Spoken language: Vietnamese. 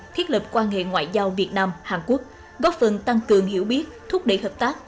thiết lập quan hệ ngoại giao việt nam hàn quốc góp phần tăng cường hiểu biết thúc đẩy hợp tác